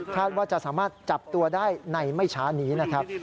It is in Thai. ว่าจะสามารถจับตัวได้ในไม่ช้านี้นะครับ